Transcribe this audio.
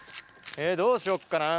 えどうしよっかな。